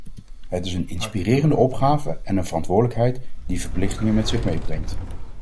Het is een inspirerende opgave en een verantwoordelijkheid die verplichtingen met zich meebrengt.